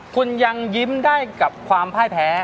คุณยังยิ้มได้กับความพ่ายแพ้